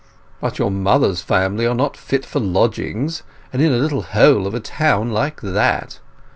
"But your mother's family are not fit for lodgings, and in a little hole of a town like that.